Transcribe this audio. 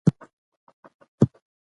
ستنېدنه امنیت غواړي.